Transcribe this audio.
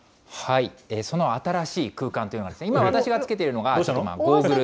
その新しい空間というのが、今、私がつけているのが、ゴーグル。